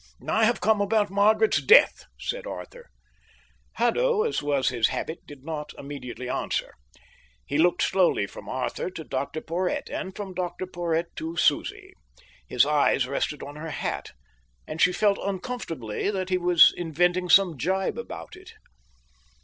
"I have come about Margaret's death," said Arthur. Haddo, as was his habit, did not immediately answer. He looked slowly from Arthur to Dr Porhoët, and from Dr Porhoët to Susie. His eyes rested on her hat, and she felt uncomfortably that he was inventing some gibe about it.